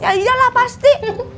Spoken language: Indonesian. ya iyalah pasti